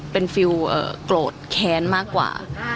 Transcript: เป็นฟิลโกรธแค้นมากกว่า